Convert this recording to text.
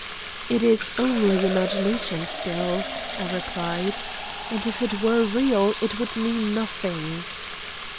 "It is only imagination still," I replied. "And if it were real, it would mean nothing."